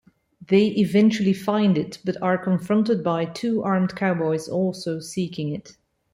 They eventually find it, but are confronted by two armed cowboys also seeking it.